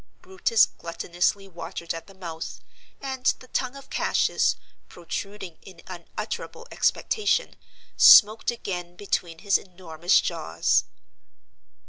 Brutus gluttonously watered at the mouth; and the tongue of Cassius, protruding in unutterable expectation, smoked again between his enormous jaws.